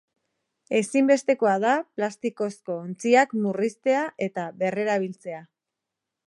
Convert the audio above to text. Ezinbestekoa da plastikozko ontziak murriztea eta berrerabiltzea.